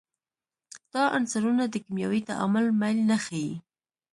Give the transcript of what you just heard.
دا عنصرونه د کیمیاوي تعامل میل نه ښیي.